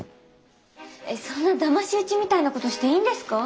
そんなだまし討ちみたいなことしていいんですか？